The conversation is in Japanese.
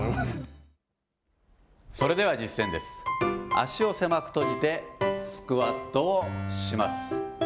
足を狭く閉じて、スクワットをします。